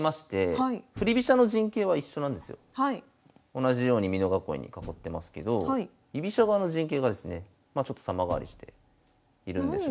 同じように美濃囲いに囲ってますけど居飛車側の陣形がですねまあちょっと様変わりしているんですが。